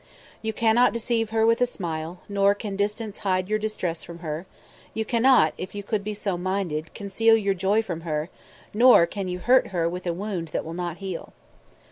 You cannot deceive her with a smile, nor can distance hide your distress from her; you cannot, if you could be so minded, conceal your joy from her, nor can you hurt her with a wound that will not heal.